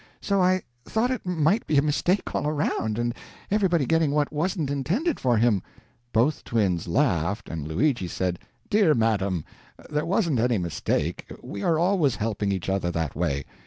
So I thought it might be a mistake all around, and everybody getting what wasn't intended for him." Both twins laughed and Luigi said: "Dear madam, there wasn't any mistake. We are always helping each other that way.